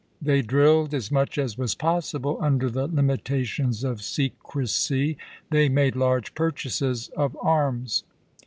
They drilled as much as was possible under the limita tions of secrecy; they made large purchases of arms.